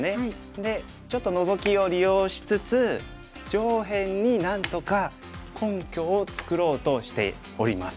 でちょっとノゾキを利用しつつ上辺になんとか根拠を作ろうとしております。